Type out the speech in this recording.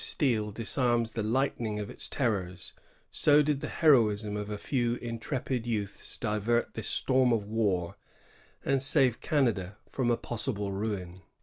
steel disarms the lightning of its terrors, so did the heroism of a few intrepid youths divert this storm of war, and save Canada from a possible ruin.